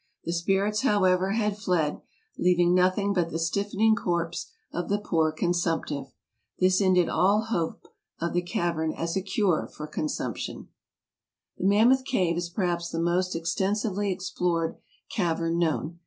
The spirits, however, had fled, leaving nothing but the stiffening corpse of the poor consumptive. This ended all hope of the cavern as a cure for consumption. The Mammoth Cave is perhaps the most extensively ex plored cavern known.